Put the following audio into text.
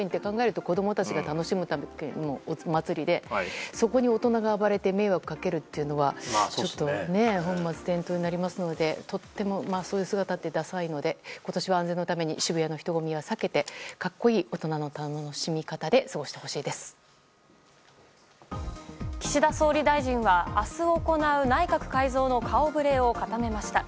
でもそもそもハロウィーンって考えると、子どもたちが楽しむための祭りで、そこに大人が暴れて迷惑かけるっていうのは、ちょっとね、本末転倒になりますので、とっても、そういう姿ってださいので、ことしは安全のために、渋谷の人混みは避けて、かっこいい大人の楽しみ方で過ご岸田総理大臣は、あす行う内閣改造の顔ぶれを固めました。